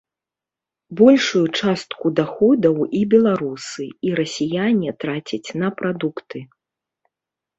Большую частку даходаў і беларусы, і расіяне трацяць на прадукты.